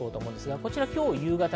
こちら、今日夕方。